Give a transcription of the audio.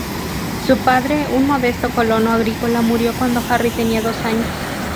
Su padre, un modesto colono agrícola, murió cuando Harry tenía dos años.